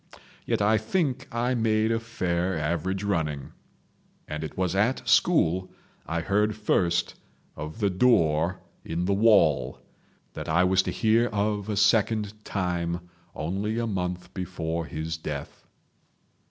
Yet I think I made a fair average running. And it was at school I heard first of the Door in the Wall—that I was to hear of a second time only a month before his death.